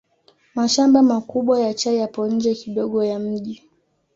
Mashamba makubwa ya chai yapo nje kidogo ya mji.